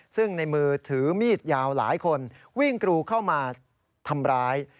ซึ่งในมือถือมีดยาวหลายคนวิ่งกรูเข้ามาทำร้าย